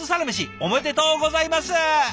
おめでとうございます！